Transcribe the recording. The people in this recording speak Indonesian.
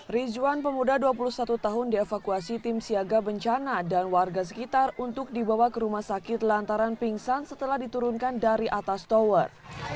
rizwan pemuda dua puluh satu tahun dievakuasi tim siaga bencana dan warga sekitar untuk dibawa ke rumah sakit lantaran pingsan setelah diturunkan dari atas tower